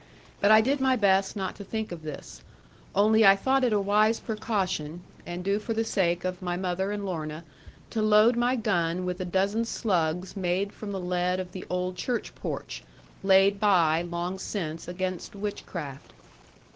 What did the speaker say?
But I did my best not to think of this; only I thought it a wise precaution, and due for the sake of my mother and Lorna, to load my gun with a dozen slugs made from the lead of the old church porch, laid by, long since, against witchcraft.